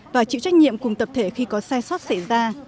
và chịu trách nhiệm cùng tập thể khi có sai sót xảy ra